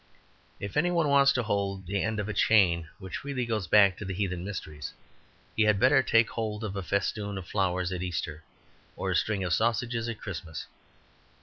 If any one wants to hold the end of a chain which really goes back to the heathen mysteries, he had better take hold of a festoon of flowers at Easter or a string of sausages at Christmas.